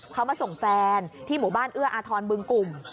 เขามาส่งแฟนที่หมู่บ้านเอื้ออาทรบึงกลุ่ม